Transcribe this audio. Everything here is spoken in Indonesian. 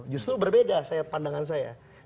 justru berbeda pandangan saya